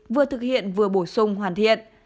vừa thực hiện vừa bổ sung hoàn thiện